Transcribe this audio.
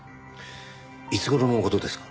いつ頃の事ですか？